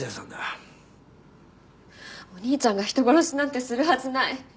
お兄ちゃんが人殺しなんてするはずない。